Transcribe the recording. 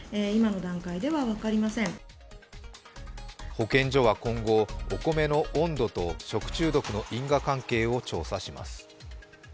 保健所は今後、お米の温度と食中毒の因果関係を調査します。